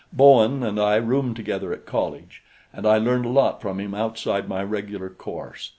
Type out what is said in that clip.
Bowen and I roomed together at college, and I learned a lot from him outside my regular course.